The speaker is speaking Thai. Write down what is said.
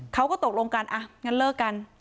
เขาก็ตกลงกันอ่ะงั้นเลิกกัน